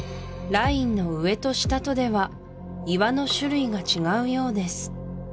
ラインの上と下とでは岩の種類が違うようです